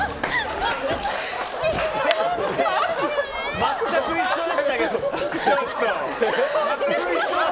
全く一緒でしたけど。